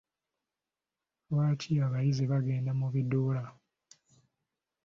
Lwaki abayizi bagenda mu biduula?